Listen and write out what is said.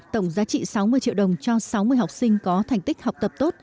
tổng giá trị sáu mươi triệu đồng cho sáu mươi học sinh có thành tích học tập tốt